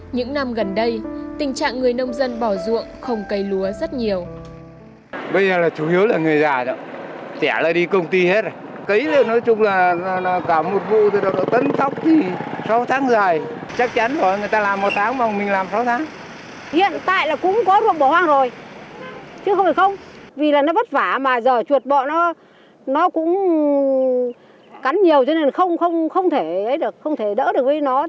những năm gần đây tình trạng người nông dân bỏ ruộng không cấy lúa rất nhiều